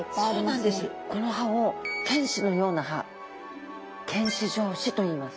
この歯を犬歯のような歯犬歯状歯といいます。